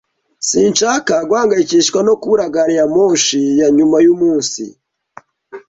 Sinshaka guhangayikishwa no kubura gari ya moshi yanyuma yumunsi.